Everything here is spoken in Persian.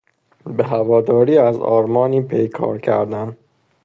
به هواداری از آرمانی پیکار کردن